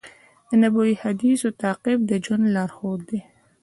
د نبوي حدیثونو تعقیب د ژوند لارښود دی.